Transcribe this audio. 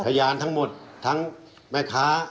พยานทั้งหมดทั้งแม่ค้า